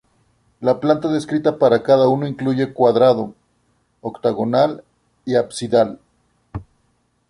La planta descrita para cada uno incluye cuadrado, octagonal y absidal.